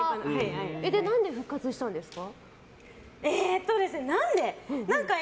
何で復活したんですか？